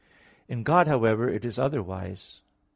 In God, however, it is otherwise.